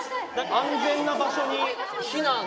安全な場所に避難。